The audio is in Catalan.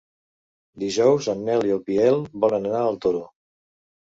Dijous en Nel i en Biel volen anar al Toro.